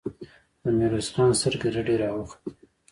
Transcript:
د ميرويس خان سترګې رډې راوختې.